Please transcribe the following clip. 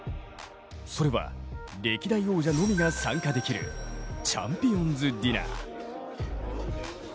それは、歴代王者のみが参加できるチャンピオンズディナー。